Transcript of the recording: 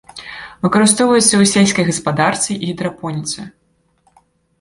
Выкарыстоўваецца ў сельскай гаспадарцы і гідрапоніцы.